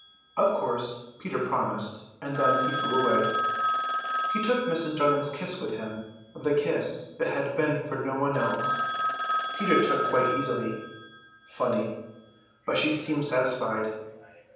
Of course Peter promised; and then he flew away. He took Mrs. Darling's kiss with him. The kiss that had been for no one else, Peter took quite easily. Funny. But she seemed satisfied.